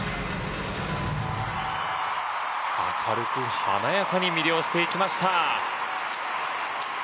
軽く華やかに魅了していきました。